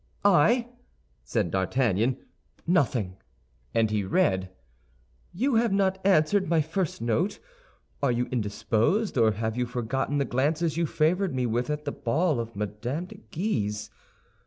"I?" said D'Artagnan; "nothing," and he read, "You have not answered my first note. Are you indisposed, or have you forgotten the glances you favored me with at the ball of Mme. de Guise?